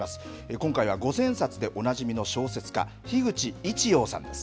今回は五千円札でおなじみの小説家、樋口一葉さんです。